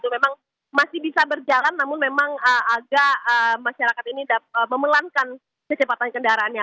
memang masih bisa berjalan namun memang agak masyarakat ini memelankan kecepatan kendaraannya